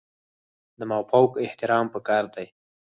د مافوق احترام پکار دی